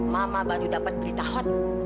mama baru dapat berita hot